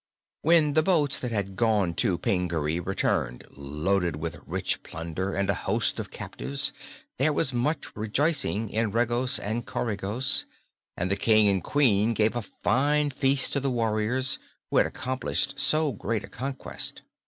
When the boats that had gone to Pingaree returned loaded with rich plunder and a host of captives, there was much rejoicing in Regos and Coregos and the King and Queen gave a fine feast to the warriors who had accomplished so great a conquest.